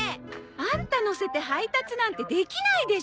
アンタ乗せて配達なんてできないでしょ。